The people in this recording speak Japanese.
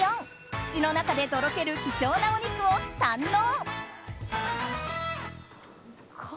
口の中でとろける希少なお肉を堪能！